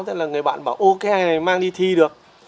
thế là người bạn bảo ok mang đi thi được